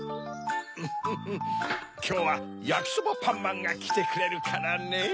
フフフきょうはやきそばパンマンがきてくれるからねぇ。